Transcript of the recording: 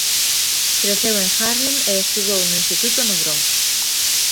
Creceu en Harlem e estudou no instituto no Bronx.